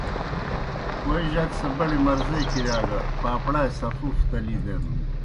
کوئی جک سہ بڑیْ مرضے کِرِیا گہ پاپڑائے سفوف تلی دینَن۔